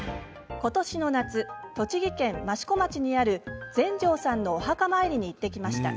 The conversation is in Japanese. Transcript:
今年の夏、栃木県益子町にある全成さんのお墓参りに行ってきました。